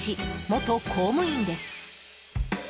元公務員です。